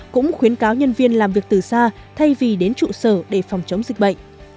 cũng khuyến cáo nhân viên làm việc từ xa thay vì đến trụ sở để phòng chống dịch bệnh